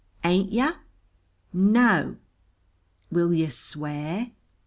"Ain't yer?" "Na o!" "Will yer swear?"